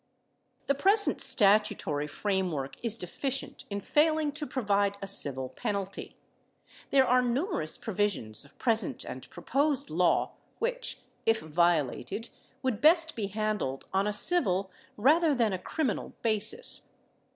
The present statutory framework is deficient in failing to provide a civil penalty. There are numerous provisions of present and pro posed law which, if violated, would best be handled on a civil rather than a criminal basis.